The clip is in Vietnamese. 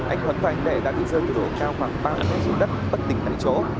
anh huấn và anh đệ đã bị rơi từ độ cao khoảng ba m xuống đất bất tỉnh tại chỗ